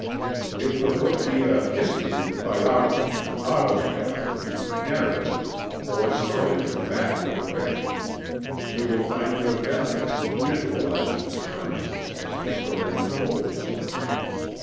If the book be a history, biography, autobiography, narrative, or story of fact or fiction, you will find it of value to visualize its occurrences as the story unfolds.